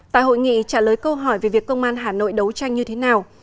tại hội nghị trả lời câu hỏi về việc công an hà nội đấu tranh như thế nào